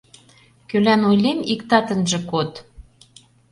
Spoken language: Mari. Кӧлан ойлем, иктат ынже код?!